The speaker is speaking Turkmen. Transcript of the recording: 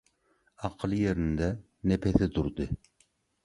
Akyly ýerinde, nepesi durudy.